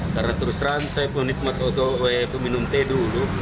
karena terus rancang saya penitmat untuk minum teh dulu